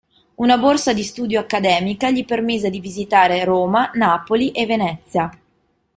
Una borsa di studio accademica gli permise di visitare Roma, Napoli e Venezia.